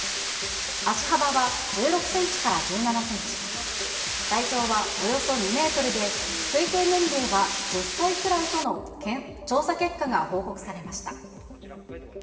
足幅は１６センチから１７センチ、体長はおよそ２メートルで、推定年齢は１０歳くらいとの調査結果が報告されました。